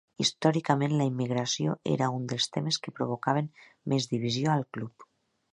Històricament, la immigració era un dels temes que provocaven més divisió al club.